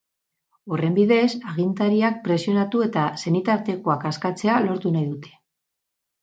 Horren bidez, agintariak presionatu eta senitartekoak askatzea lortu nahi dute.